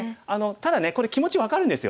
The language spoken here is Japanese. ただねこれ気持ち分かるんですよ。